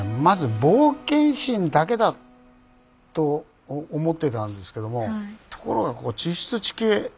まず冒険心だけだと思ってたんですけどもところが地質地形